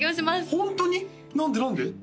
ホントに！？何で何で？